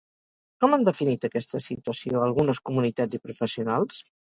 Com han definit aquesta situació algunes comunitats i professionals?